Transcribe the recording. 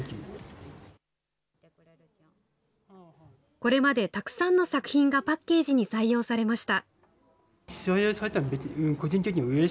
これまでたくさんの作品がパッケージに採用されました。